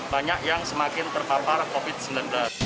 banyak yang semakin terpapar covid sembilan belas